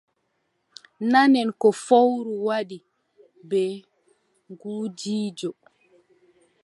Nanen ko fowru waadi bee gudiijo.